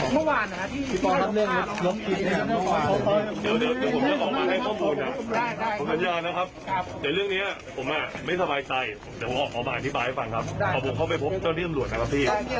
แล้วยังจะบวชไหมครับยังจะบวชไหมครับ